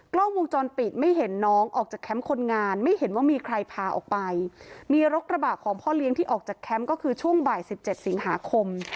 กล้องวงจรปิดไม่เห็นน้องออกจากแคมป์คนงานไม่เห็นว่ามีใครพาออกไปมีรถกระบะของพ่อเลี้ยงที่ออกจากแคมป์ก็คือช่วงบ่ายสิบเจ็ดสิงหาคม